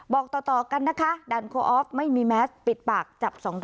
บอกต่อกันนะคะดันโคออฟไม่มีแมสปิดปากจับ๒๐๐